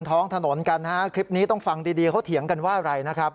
ท้องถนนกันฮะคลิปนี้ต้องฟังดีดีเขาเถียงกันว่าอะไรนะครับ